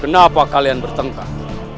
kenapa kalian bertengkar